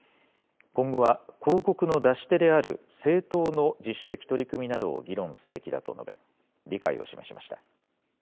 今後は広告の出し手である政党の自主的取り組みなどを議論すべきだと述べ理解を示しました。